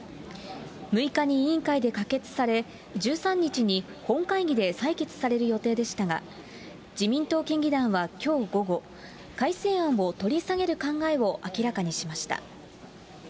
６日に委員会で可決され、１３日に本会議で採決される予定でしたが、自民党県議団はきょう午後、改正案を取り下げる考えを明らかにしました。